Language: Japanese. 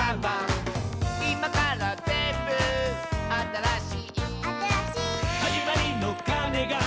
「いまからぜんぶあたらしい」「あたらしい」「はじまりのかねが」